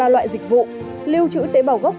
ba loại dịch vụ lưu trữ tế bào gốc